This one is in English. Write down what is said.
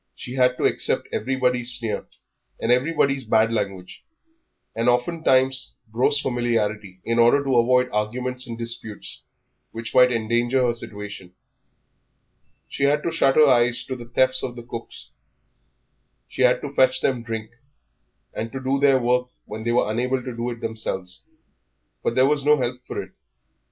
She had to accept everybody's sneer and everybody's bad language, and oftentimes gross familiarity, in order to avoid arguments and disputes which might endanger her situation. She had to shut her eyes to the thefts of cooks; she had to fetch them drink, and to do their work when they were unable to do it themselves. But there was no help for it.